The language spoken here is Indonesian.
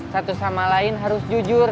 satu sama lain harus jujur